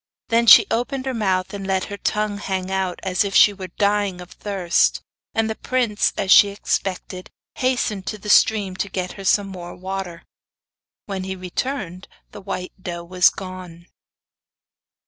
Then she opened her mouth and let her tongue hang out, as if she were dying of thirst, and the prince, as she expected, hastened to the stream to get her some more water. When he returned, the white doe was gone.